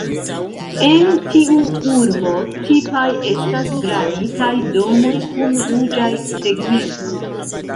En tiu urbo tipaj estas granitaj domoj kun ruĝaj tegmentoj.